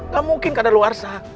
gak mungkin kada luar pak